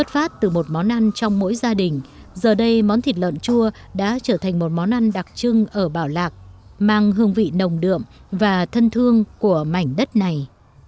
phát từ một món ăn trong mỗi gia đình giờ đây món thịt lợn chua đã trở thành một món ăn đặc trưng ở bảo lạc mang hương vị nồng đượm và thân thương của mảnh đất này